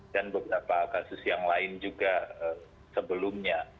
dan beberapa kasus yang lain juga sebelumnya